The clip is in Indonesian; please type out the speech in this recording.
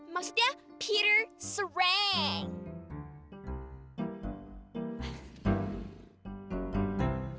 maksudnya peter sereng